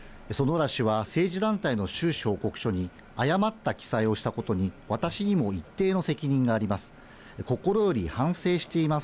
薗浦氏は政治団体の収支報告書に、誤った記載をしたことに、私にも一定の責任があります。